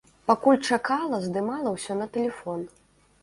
Пакуль чакала, здымала ўсё на тэлефон.